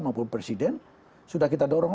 maupun presiden sudah kita dorong